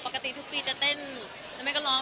ปกติทุกปีจะเต้นแล้วแม่ก็ร้อง